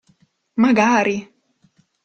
Magari!